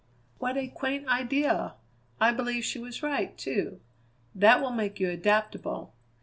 "What a quaint idea! I believe she was right, too. That will make you adaptable.